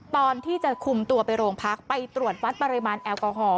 ตอนที่จะคุมตัวไปโรงพักไปตรวจวัดปริมาณแอลกอฮอล